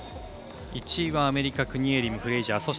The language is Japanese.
１位はアメリカクニエリム、フレイジャー。